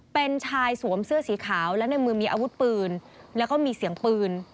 เป็นชายสวมเสื้อสีขาวและในมือมีอาวุธปืนแล้วก็มีเสียงปืน